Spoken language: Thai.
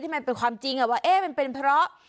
มันเป็นความจริงว่าเอ๊ะมันเป็นเพราะ